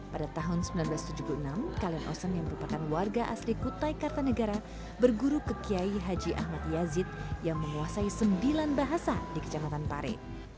pada tahun seribu sembilan ratus tujuh puluh enam kalian osen yang merupakan warga asli kutai kartanegara berguru ke kiai haji ahmad yazid yang menguasai sembilan bahasa di kecamatan pare